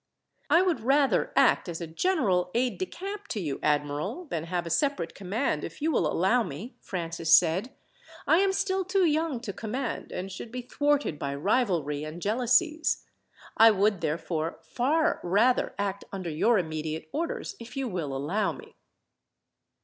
"I would rather act as a general aide de camp to you, admiral, than have a separate command, if you will allow me," Francis said. "I am still too young to command, and should be thwarted by rivalry and jealousies. I would, therefore, far rather act under your immediate orders, if you will allow me."